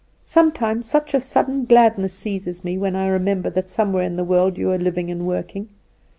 Sometimes such a sudden gladness seizes me when I remember that somewhere in the world you are living and working.